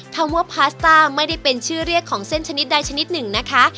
คำว่าพาสต้าไม่ได้เป็นชื่อเรียกของเส้นชนิดใดชนิดหนึ่งนะคะ